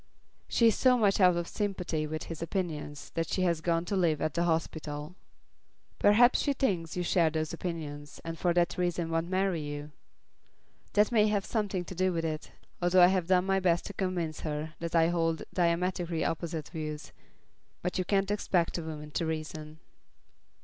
"She is so much out of sympathy with his opinions that she has gone to live at the hospital." "Perhaps she thinks you share those opinions, and for that reason won't marry you?" "That may have something to do with it, although I have done my best to convince her that I hold diametrically opposite views, But you can't expect a woman to reason."